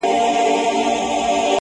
د دود وهلي ښار سپېڅلي خلگ لا ژونـدي دي؛